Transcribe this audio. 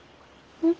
うん？